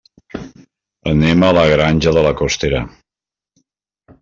Anem a la Granja de la Costera.